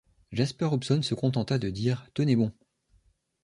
Jasper Hobson se contenta de dire :« Tenez bon !